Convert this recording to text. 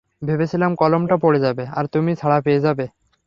ভেবেছিলাম কলমটা পড়ে যাবে, আর তুমি ছাড়া পেয়ে যাবে।